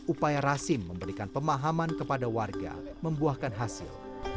upaya rasim memberikan pemahaman kepada warga membuahkan hasil